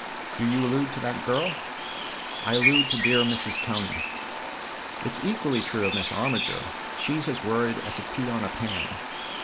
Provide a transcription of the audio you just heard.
" Do you allude to that girl ?"" I allude to dear Mrs. Tony." " It's equally true of Miss Armiger ; she's as worried as a pea on a pan.